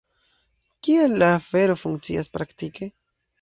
Kiel la afero funkcias praktike?